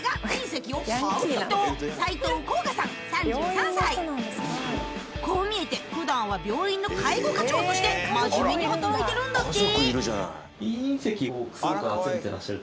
隕石を買う人こう見えてふだんは病院の介護課長として真面目に働いてるんだって